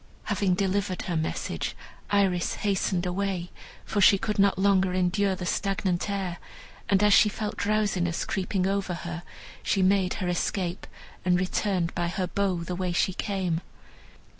Having delivered her message, Iris hasted away, for she could not longer endure the stagnant air, and as she felt drowsiness creeping over her, she made her escape, and returned by her bow the way she came.